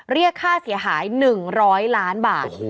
เรียกค่าเสียหาย๑๐๐ล้านบาท